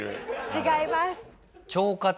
違います。